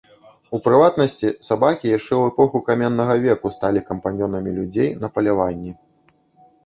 У прыватнасці, сабакі яшчэ ў эпоху каменнага веку сталі кампаньёнамі людзей на паляванні.